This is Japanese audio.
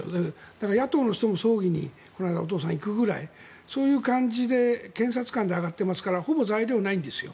だから野党の人の葬儀にこの間、お父さんが行くぐらいそういう感じで検察官で上がっていますからほぼ材料がないんです。